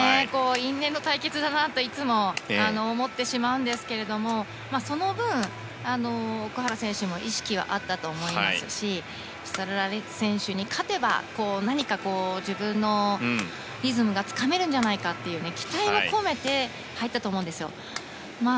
因縁の対決だなと、いつも思ってしまうんですけれどもその分、奥原選手も意識はあったと思いますしプサルラ選手に勝てば何か、自分のリズムがつかめるんじゃないかという期待も込めて入ったと思うんですよ。